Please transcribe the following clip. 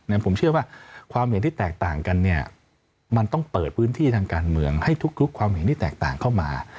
ผมเชื่อว่าความเห็นที่แตกต่างกันเนี่ยมันต้องเปิดพื้นที่ทางการเมืองให้ทุกความเห็นที่แตกต่างเข้ามา